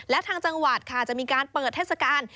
และทางจังหวัดค่ะจะมีการเปิดเทศกาล